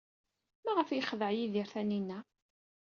Maɣef ay yexdeɛ Yidir Taninna?